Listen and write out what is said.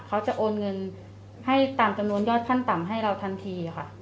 เขาจะโอนเงินให้ตามจำนวนยอดขั้นต่ำให้เราทันทีค่ะ